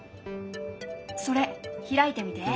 それ開いてみて。